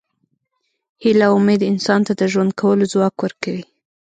هیله او امید انسان ته د ژوند کولو ځواک ورکوي.